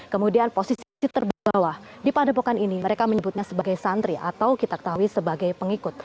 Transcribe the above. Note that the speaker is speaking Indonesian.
kemudian posisi terbawah di padepokan ini mereka menyebutnya sebagai santri atau kita ketahui sebagai pengikut